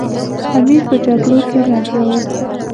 امیر په جګړو کې لګیا وو.